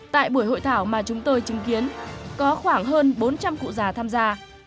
tại buổi hội thảo mà chúng tôi chứng kiến có khoảng hơn bốn trăm linh cụ già tham gia